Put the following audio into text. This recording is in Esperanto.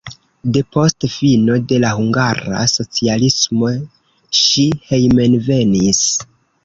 Depost fino de la hungara socialismo ŝi hejmenvenis.